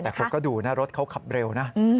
แต่คนก็ดูนะรถเขาขับเร็วนะ